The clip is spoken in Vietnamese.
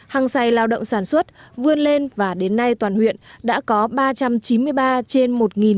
hàng xây lao động sản xuất vươn lên và đến nay toàn huyện đã có ba trăm chín mươi ba trên một một trăm hai mươi năm